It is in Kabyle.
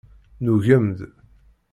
Nugem-d.